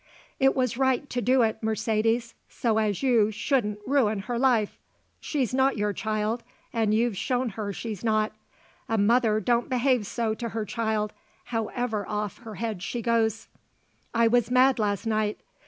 "It was right to do it, Mercedes, so as you shouldn't ruin her life. She's not your child, and you've shown her she's not. A mother don't behave so to her child, however off her head she goes." "I was mad last night."